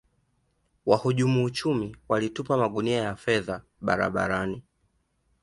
wahujumu uchumi walitupa magunia ya fedha barabarani